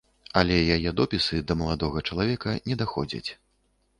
Але яе допісы да маладога чалавека не даходзяць.